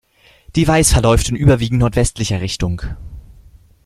Die Weiß verläuft in überwiegend nordwestlicher Richtung.